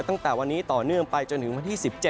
ตั้งแต่วันนี้ต่อเนื่องไปจนถึงวันที่๑๗